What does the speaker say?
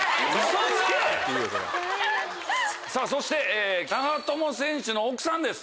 そして長友選手の奥さんです